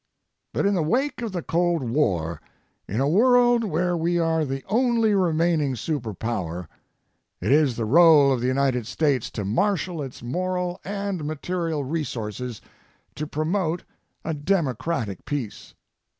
But in the wake of the cold war, in a world where we are the only remaining superpower, it is the role of the United States to marshal its moral and material resources to promote a democratic peace.